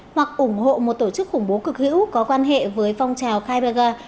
hoặc ủng hộ một tổ chức khủng bố cực hữu có quan hệ với phong trào kevagor